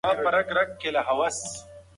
موږ باید په خپل ټولنیز چاپیریال پوه شو.